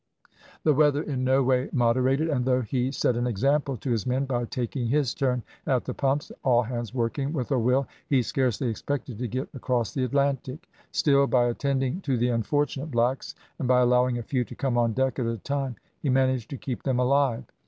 The weather in no way moderated, and though he set an example to his men by taking his turn at the pumps, all hands working with a will, he scarcely expected to get across the Atlantic. Still, by attending to the unfortunate blacks, and by allowing a few to come on deck at a time, he managed to keep them alive.